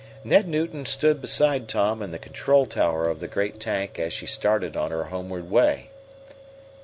Ned Newton stood beside Tom in the control tower of the great tank as she started on her homeward way.